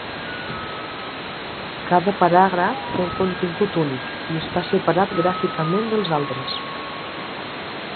Cada paràgraf té un contingut únic i està separat gràficament dels altres.